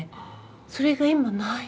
それが今ないの。